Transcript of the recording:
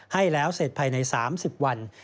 ให้แล้วเสร็จภายใน๓๐วัน